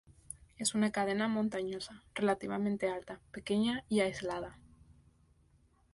Es una cadena montañosa relativamente alta, pequeña y aislada.